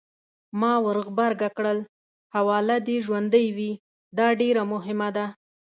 ما ورغبرګه کړل: حواله دې ژوندۍ وي! دا ډېره مهمه ده.